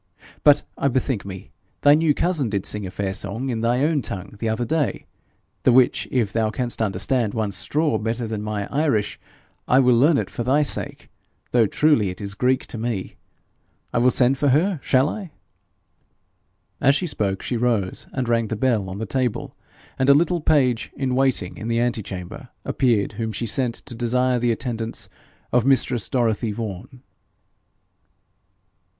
But, I bethink me, thy new cousin did sing a fair song in thy own tongue the other day, the which if thou canst understand one straw better than my Irish, I will learn it for thy sake, though truly it is Greek to me. I will send for her. Shall I?' As she spoke she rose and rang the bell on the table, and a little page, in waiting in the antechamber, appeared, whom she sent to desire the attendance of mistress Dorothy Vaughan.